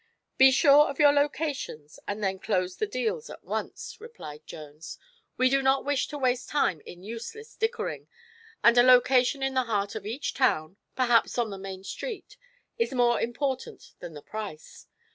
"Be sure of your locations and then close the deals at once," replied Jones. "We do not wish to waste time in useless dickering, and a location in the heart of each town, perhaps on the main street, is more important than the price.